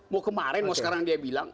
mau kemarin mau sekarang dia bilang